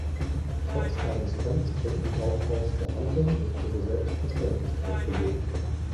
Trotz eines angestrengten Aufbaus der Handlung wird ihre Selbstverständlichkeit gelobt.